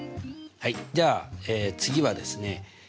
じゃあ次はですね